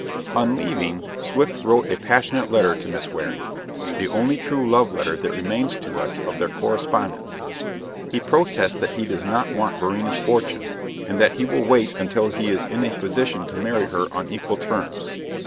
On leaving, Swift wrote a passionate letter to Miss Waring the only true love letter that remains to us of their correspondence. He protests that he does not want Varina's fortune, and that he will wait until he is in a position to marry her on equal terms.